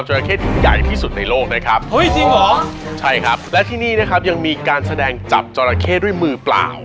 รอเรือเอ่อรอเรือ